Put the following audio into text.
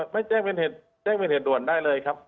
ไม่แจ้งเป็นเหตุด่วนได้เลยครับ